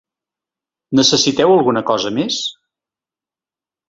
Necessiteu alguna cosa més?